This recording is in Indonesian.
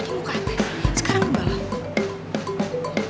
tadi muka sekarang enggak